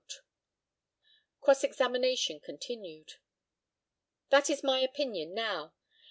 Cross examination continued: That is my opinion now.